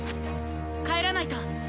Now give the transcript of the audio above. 帰らないと！